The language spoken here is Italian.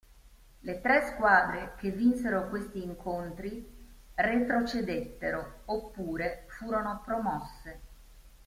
Le tre squadre che vinsero questi incontri retrocedettero oppure furono promosse.